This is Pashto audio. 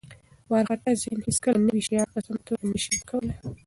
وارخطا ذهن هیڅکله نوي شیان په سمه توګه نه شي زده کولی.